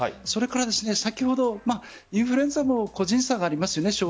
それからインフルエンザも個人差がありますよね。